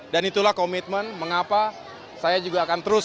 dan itulah komitmen mengapa saya juga akan terus